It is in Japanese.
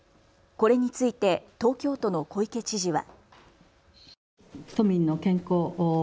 これについて東京都の小池知事は。